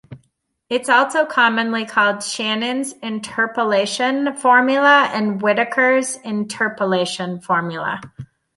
It is also commonly called Shannon's interpolation formula and Whittaker's interpolation formula.